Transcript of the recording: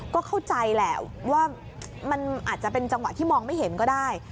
ก็เข้าใจแหละว่ามันอาจจะเป็นจังหวะที่มองไม่เห็นก็ได้